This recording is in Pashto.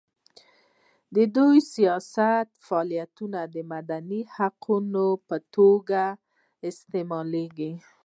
دوی سیاسي فعالیت د مدني حق په توګه استعمال کړي.